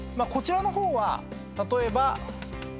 こちらの方は例えば。